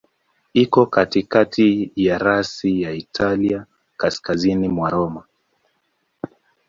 Iko katikati ya rasi ya Italia, kaskazini kwa Roma.